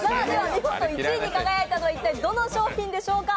見事１位に輝いたのは一体どの商品でしょうか？